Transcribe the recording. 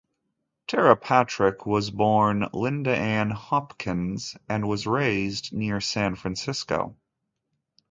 Tera Patrick was born Linda Ann Hopkins and was raised near San Francisco.